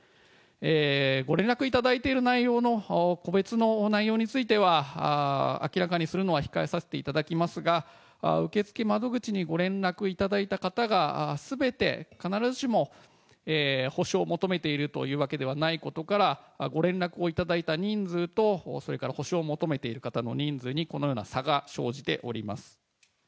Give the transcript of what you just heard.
ご連絡いただいている内容の個別の内容については、明らかにするのは控えさせていただきますが、受け付け窓口にご連絡いただいた方が、すべて必ずしも補償を求めているというわけではないことから、ご連絡をいただいた人数と、それから補償を求めている方の人数にこのような差が生じております。